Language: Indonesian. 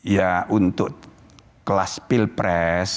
ya untuk kelas pilpres